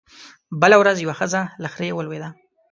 بله ورځ يوه ښځه له خرې ولوېده